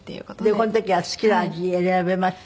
でこの時は好きな味選べました？